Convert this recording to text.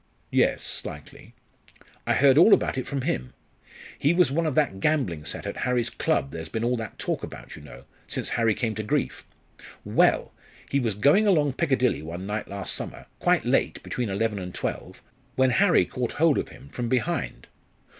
"Yes slightly." "I heard all about it from him. He was one of that gambling set at Harry's club there's been all that talk about you know, since Harry came to grief. Well! he was going along Piccadilly one night last summer, quite late, between eleven and twelve, when Harry caught hold of him from behind.